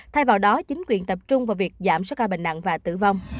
thay vào đó chính quyền tập trung vào việc giảm số ca bệnh nặng và tử vong